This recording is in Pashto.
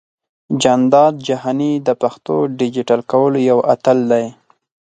جانداد جهاني د پښتو ډىجيټل کولو يو اتل دى.